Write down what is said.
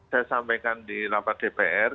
saya sampaikan di rapat dpr